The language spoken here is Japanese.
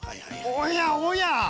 おやおや！